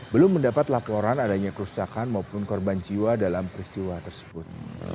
belum mendapat laporan adanya kerusakan maupun korban jiwa dalam peristiwa tersebut